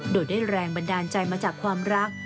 โดยได้แรงบันดาลใจมาจากความรัก